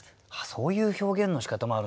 そういう表現のしかたもあるんだ。